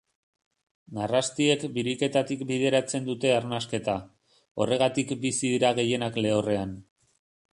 Narrastiek biriketatik bideratzen dute arnasketa, horregatik bizi dira gehienak lehorrean.